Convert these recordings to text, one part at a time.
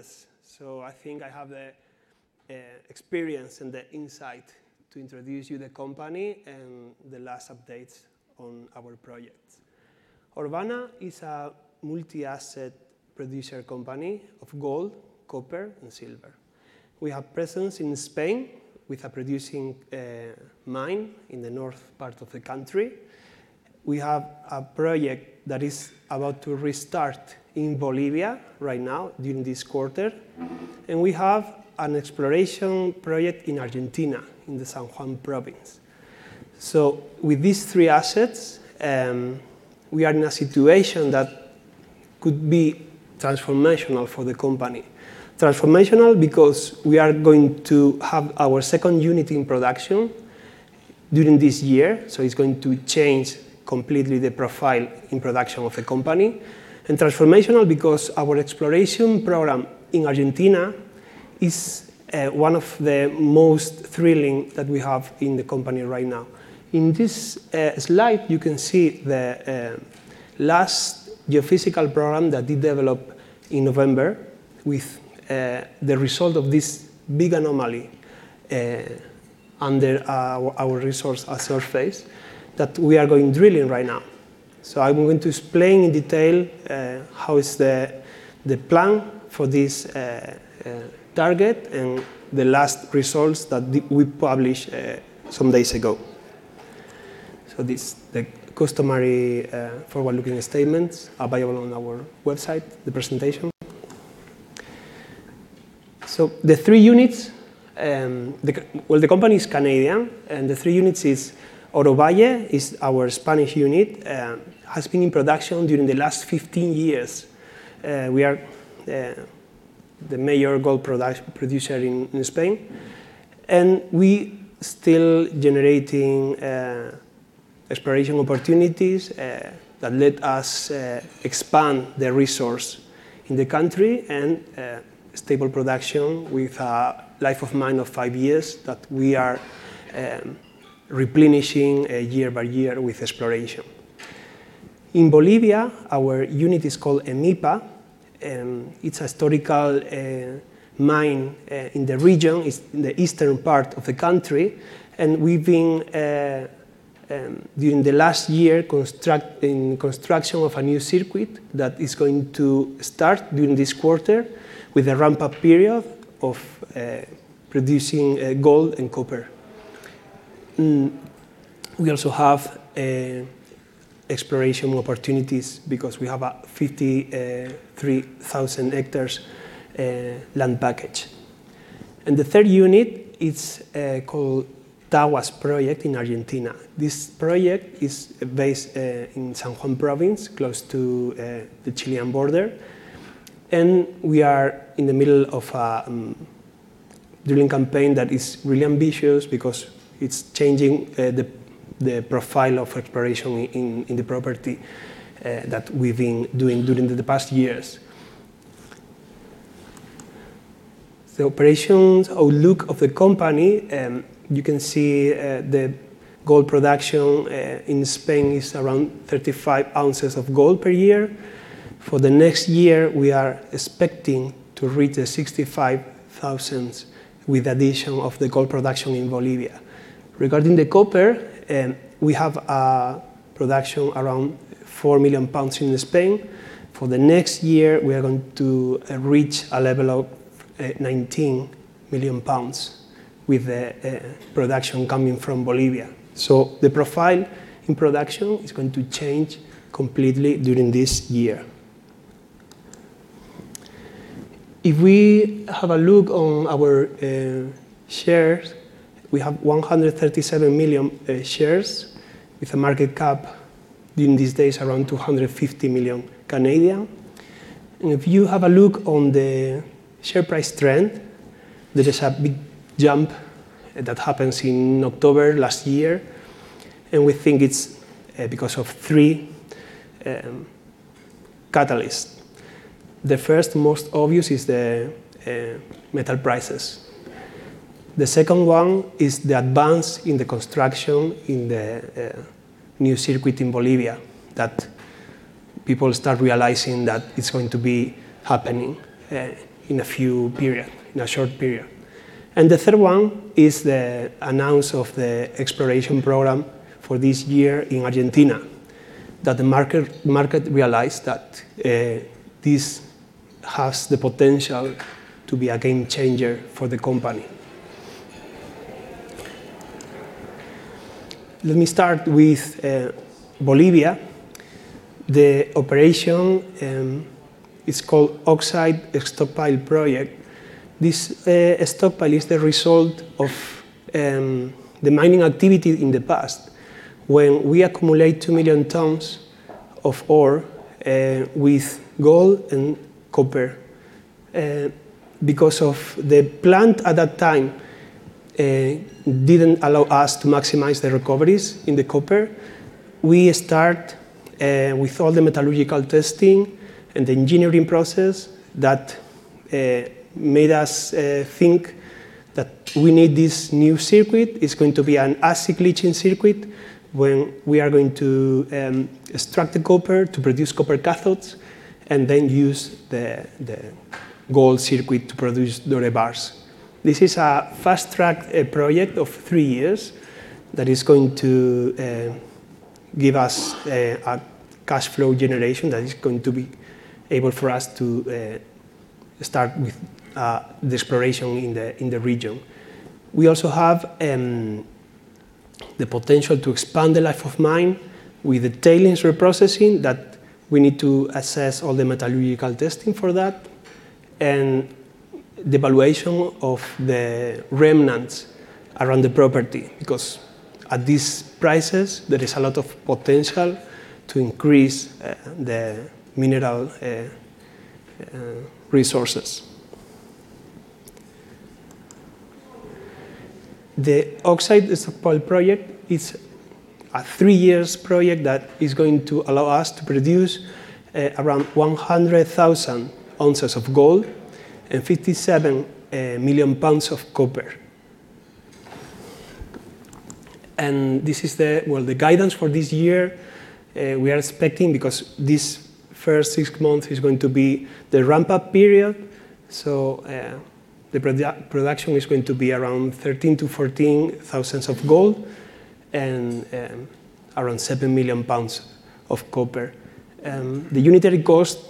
Yes. I think I have the experience and the insight to introduce you the company and the last updates on our projects. Orvana is a multi-asset producer company of gold, copper, and silver. We have presence in Spain with a producing mine in the north part of the country. We have a project that is about to restart in Bolivia right now during this quarter. We have an exploration project in Argentina in the San Juan Province. With these three assets, we are in a situation that could be transformational for the company, transformational because we are going to have our second unit in production during this year, so it's going to change completely the profile in production of the company, and transformational because our exploration program in Argentina is one of the most thrilling that we have in the company right now. In this slide, you can see the last geophysical program that we developed in November with the result of this big anomaly under our resource surface that we are going drilling right now. I'm going to explain in detail how is the plan for this target and the last results that we published some days ago. This is the customary forward-looking statements available on our website, the presentation. The three units. Well, the company is Canadian, and Orovalle is our Spanish unit. It has been in production during the last 15 years. We are the major gold producer in Spain, and we still generating exploration opportunities that let us expand the resource in the country and stable production with a life of mine of five years that we are replenishing year-by-year with exploration. In Bolivia, our unit is called EMIPA. It's a historical mine in the region. It is in the eastern part of the country. We've been during the last year in construction of a new circuit that is going to start during this quarter with a ramp-up period of producing gold and copper. We also have exploration opportunities because we have a 53,000 ha land package. The third unit is called Taguas Project in Argentina. This project is based in San Juan Province, close to the Chilean border, and we are in the middle of a drilling campaign that is really ambitious because it's changing the profile of exploration in the property that we've been doing during the past years. The operations outlook of the company, you can see the gold production in Spain is around 35 oz of gold per year. For the next year, we are expecting to reach the 65,000 with addition of the gold production in Bolivia. Regarding the copper, we have a production around 4 million lbs in Spain. For the next year, we are going to reach a level of 19 million lbs with production coming from Bolivia. The profile in production is going to change completely during this year. If we have a look on our shares, we have 137 million shares with a market cap during these days around 250 million ton a year. If you have a look on the share price trend, there is a big jump that happens in October last year, and we think it's because of three catalysts. The first most obvious is the metal prices. The second one is the advance in the construction in the new circuit in Bolivia that people start realizing that it's going to be happening in a short period. The third one is the announce of the exploration program for this year in Argentina that the market realized that this has the potential to be a game changer for the company. Let me start with Bolivia. The operation is called Oxide Stockpile Project. This stockpile is the result of the mining activity in the past when we accumulate 2 million tons of ore with gold and copper. Because of the plant at that time didn't allow us to maximize the recoveries in the copper, we start with all the metallurgical testing and the engineering process that made us think that we need this new circuit. It's going to be an acid leaching circuit where we are going to extract the copper to produce copper cathodes and then use the gold circuit to produce doré bars. This is a fast-track project of three years that is going to give us a cash flow generation that is going to be able for us to start with the exploration in the region. We also have the potential to expand the life of mine with the tailings reprocessing, that we need to assess all the metallurgical testing for that, and the valuation of the remnants around the property. Because at these prices, there is a lot of potential to increase the mineral resources. The Oxide Stockpile Project is a three years project that is going to allow us to produce around 100,000 oz of gold and 57 million lbs of copper. This is the guidance for this year. We are expecting, because this first six months is going to be the ramp-up period, so the production is going to be around 13,000 oz-14,000 oz of gold and around 7 million lbs of copper. The unitary costs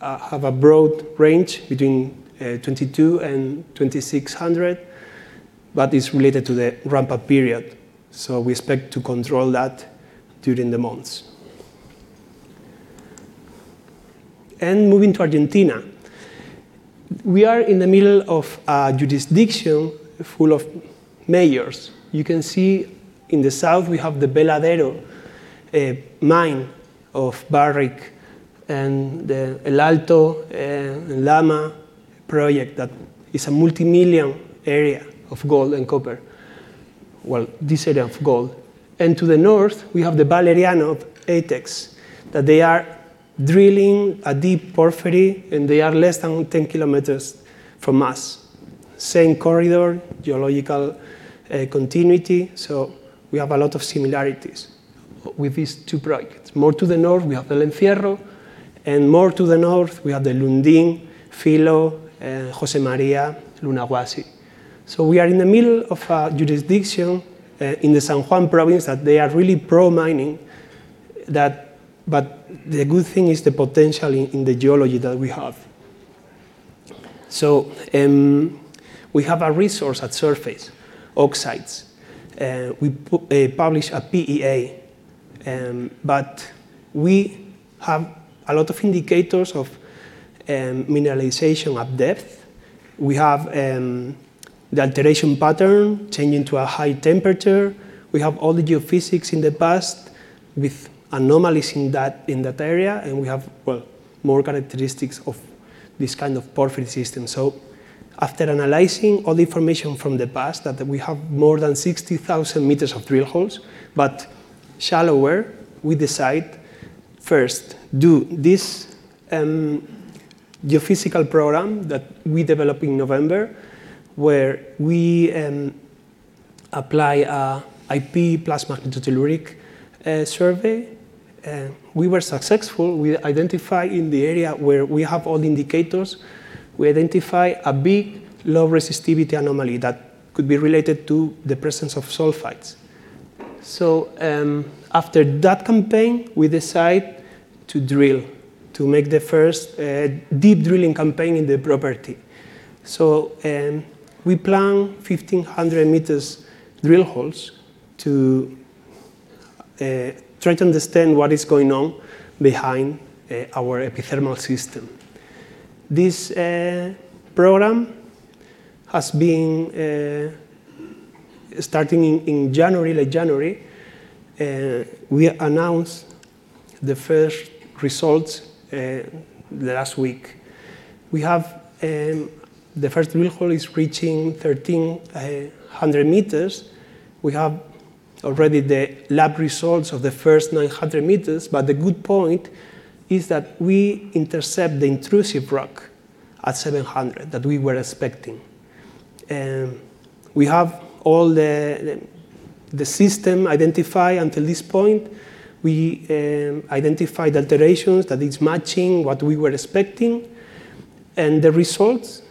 have a broad range between 2,200 and 2,600, but it's related to the ramp-up period. We expect to control that during the months. Moving to Argentina. We are in the middle of a jurisdiction full of majors. You can see in the south we have the Veladero mine of Barrick and the Alturas and Lama project that is a multi-million area of gold and copper. Well, this area of gold. To the north, we have the Valeriano of ATEX, that they are drilling a deep porphyry, and they are less than 10 km from us. Same corridor, geological continuity, so we have a lot of similarities with these two projects. More to the north, we have the El Infiernillo, and more to the north, we have the Lundin, Filo, Josemaría, Lunahuasi. We are in the middle of a jurisdiction in the San Juan Province that they are really pro-mining. The good thing is the potential in the geology that we have. We have a resource at surface, oxides. We published a PEA. We have a lot of indicators of mineralization at depth. We have the alteration pattern changing to a high temperature. We have all the geophysics in the past with anomalies in that area, and we have, well, more characteristics of this kind of porphyry system. After analyzing all the information from the past, that we have more than 60,000 m of drill holes, but shallower, we decide first, do this geophysical program that we develop in November, where we apply an IP plus magnetotelluric survey. We were successful. We identify in the area where we have all the indicators. We identify a big low resistivity anomaly that could be related to the presence of sulfides. After that campaign, we decide to drill, to make the first deep drilling campaign in the property. We plan 1,500 m drill holes to try to understand what is going on behind our epithermal system. This program has been starting in, like, January. We announced the first results last week. The first drill hole is reaching 1,300 m. We have already the lab results of the first 900 m. The good point is that we intercept the intrusive rock at 700, that we were expecting. We have all the system identified until this point. We identified alterations that is matching what we were expecting. The results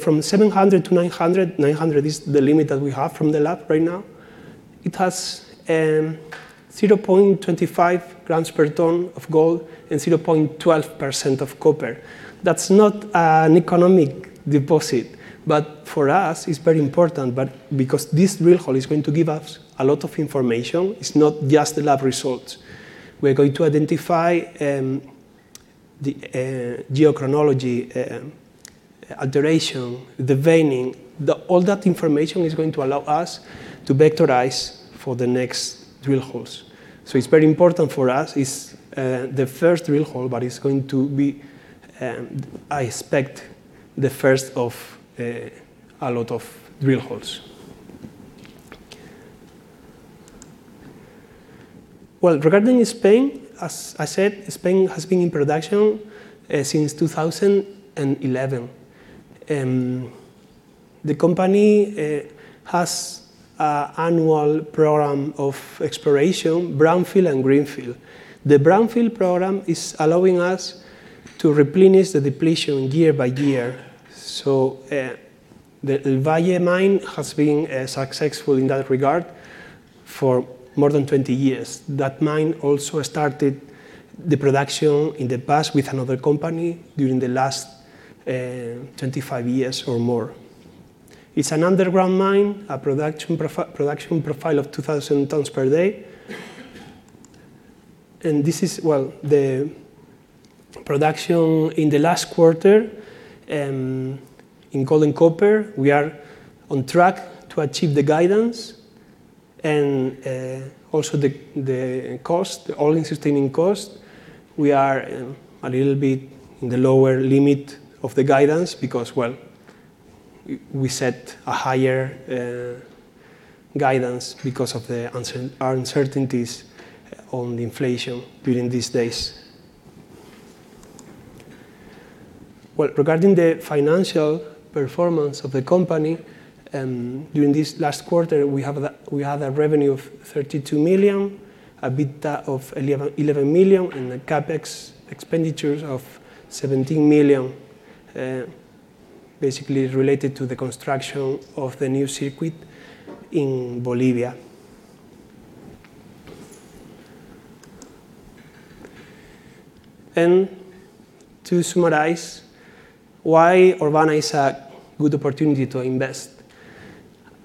from 700 m-900 m. 900 m is the limit that we have from the lab right now. It has 0.25 g per ton of gold and 0.12% of copper. That's not an economic deposit, but for us, it's very important. Because this drill hole is going to give us a lot of information, it's not just the lab results. We're going to identify the geochronology, alteration, the veining. All that information is going to allow us to vectorize for the next drill holes. It's very important for us. It's the first drill hole, but it's going to be, I expect, the first of a lot of drill holes. Well, regarding Spain, as I said, Spain has been in production since 2011. The company has annual program of exploration, brownfield and greenfield. The brownfield program is allowing us to replenish the depletion year-by-year. The El Valle mine has been successful in that regard for more than 20 years. That mine also started the production in the past with another company during the last 25 years or more. It's an underground mine, a production profile of 2,000 tons per day. This is the production in the last quarter, in gold and copper. We are on track to achieve the guidance and also the all-in sustaining cost. We are a little bit in the lower limit of the guidance because we set a higher guidance because of our uncertainties on the inflation during these days. Well, regarding the financial performance of the company, during this last quarter, we have a revenue of 32 million, EBITDA of 11 million, and the CapEx expenditures of 17 million, basically related to the construction of the new circuit in Bolivia. And to summarize why Orvana is a good opportunity to invest.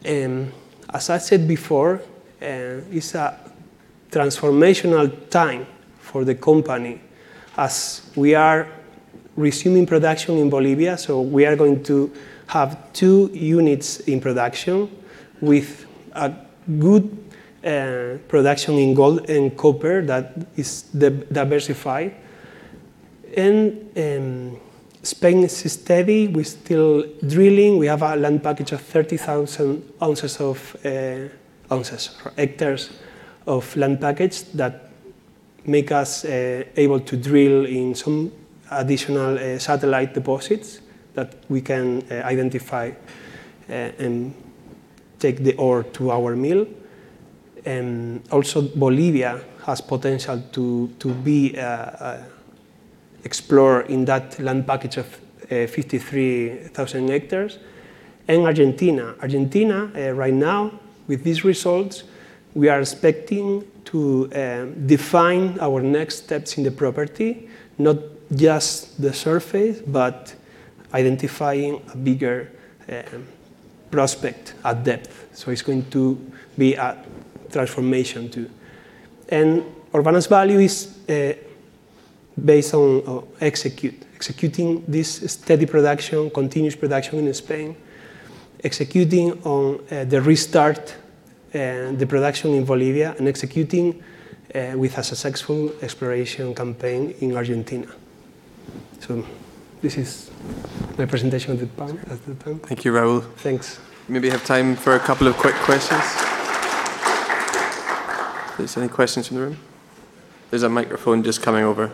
As I said before, it's a transformational time for the company as we are resuming production in Bolivia. So we are going to have two units in production with a good production in gold and copper that is diversified. In Spain is steady. We're still drilling. We have a land package of 30,000 ha of land package that make us able to drill in some additional satellite deposits that we can identify and take the ore to our mill. Bolivia has potential to be explore in that land package of 53,000 ha. Argentina, right now, with these results, we are expecting to define our next steps in the property, not just the surface but identifying a bigger prospect at depth. It's going to be a transformation too. Orvana's value is based on executing this steady production, continuous production in Spain, executing on the restart the production in Bolivia, and executing with a successful exploration campaign in Argentina. This is my presentation at the time. Thank you, Raúl. Thanks. Maybe we have time for a couple of quick questions if there's any questions in the room. There's a microphone just coming over.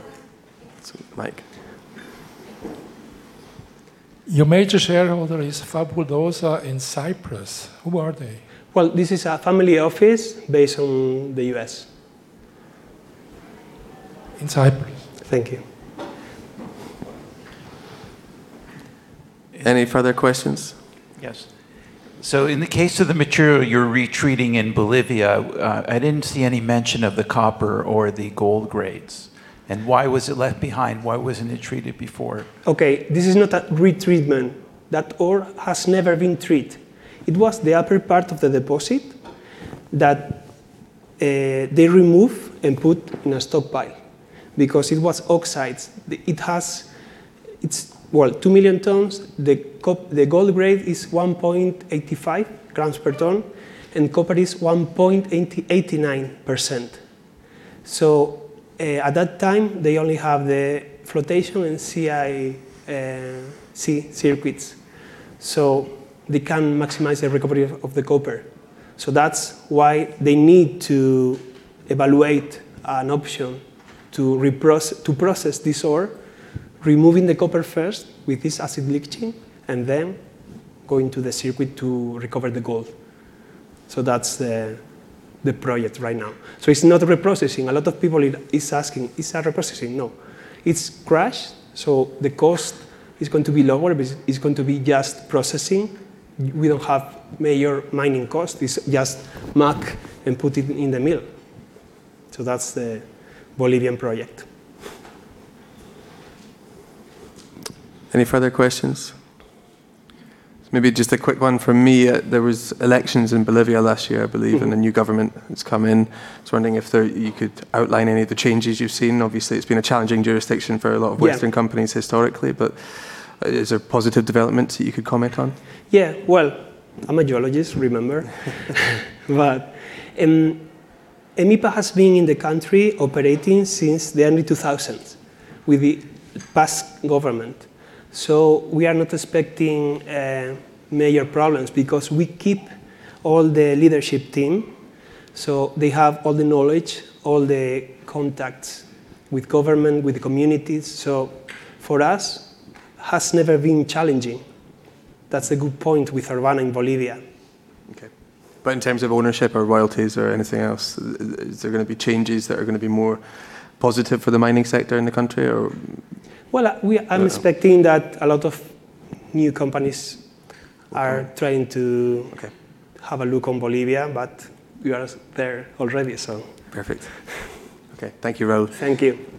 There's a mic. Your major shareholder is Fabulosa in Cyprus. Who are they? Well, this is a family office based on the U.S. In Cyprus. Thank you. Any further questions? Yes. In the case of the material you're retreating in Bolivia, I didn't see any mention of the copper or the gold grades. Why was it left behind? Why wasn't it treated before? Okay, this is not a retreatment. That ore has never been treated. It was the upper part of the deposit that they remove and put in a stockpile because it was oxides. It's, well, 2 million tons. The gold grade is 1.85 g per ton, and copper is 1.89%. At that time, they only have the flotation and CIL circuits. They can maximize the recovery of the copper. That's why they need to evaluate an option to process this ore, removing the copper first with this acid leaching, and then going to the circuit to recover the gold. That's the project right now. It's not reprocessing. A lot of people is asking, is that reprocessing? No. It's crushed, so the cost is going to be lower. It's going to be just processing. We don't have major mining costs. It's just muck and put it in the mill. That's the Bolivian project. Any further questions? Maybe just a quick one from me. There was elections in Bolivia last year, I believe, and a new government has come in. I was wondering if you could outline any of the changes you've seen. Obviously, it's been a challenging jurisdiction for a lot of. Yeah Western companies historically, but is there positive developments that you could comment on? Yeah. Well, I'm a geologist, remember? EMIPA has been in the country operating since the early 2000s with the past government. We are not expecting major problems because we keep all the leadership team, so they have all the knowledge, all the contacts with government, with the communities. For us, it has never been challenging. That's a good point with Orvana in Bolivia. Okay. In terms of ownership or royalties or anything else, is there going to be changes that are going to be more positive for the mining sector in the country? Well, I'm expecting that a lot of new companies are trying to. Okay We have a look on Bolivia, but we are there already. Perfect. Okay. Thank you, Raúl. Thank you.